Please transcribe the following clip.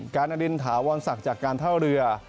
การอรินถาวรศักดิ์จากการท่าเรือ